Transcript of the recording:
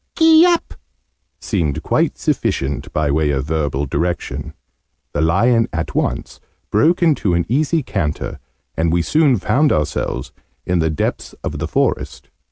"Gee up!', seemed quite sufficient by way of verbal direction: the lion at once broke into an easy canter, and we soon found ourselves in the depths of the forest.